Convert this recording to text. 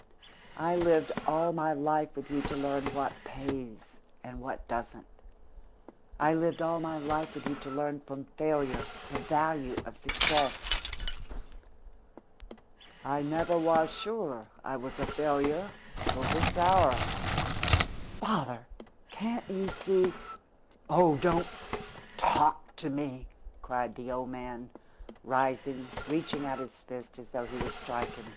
_" "I lived all my life with you to learn what pays, and what doesn't. I lived all my life with you to learn from failure the value of success." "I never was sure I was a failure until this hour." "Father! Can't you see " "Oh, don't talk to me!" cried the old man, rising, reaching out his fist as though he would strike him.